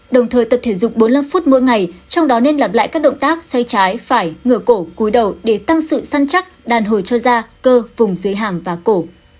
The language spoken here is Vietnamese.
đồng thời tập thể dục bốn mươi năm phút mỗi ngày trong đó nên lặp lại các động tác xay trái phải ngửa cổ cúi đầu để tăng sự săn chắc đàn hồi cho da cơ vùng dưới hàm và cổ